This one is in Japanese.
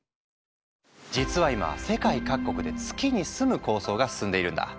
実は今世界各国で月に住む構想が進んでいるんだ。